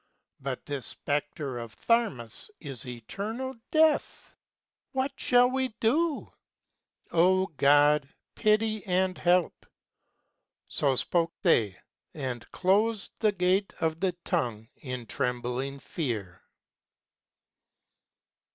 But this Spectre of Tharmas Is Eternal Death. What shall we do ? O God, pity and help ! So spoke they, and closed the gate of the tongue in trembling fear.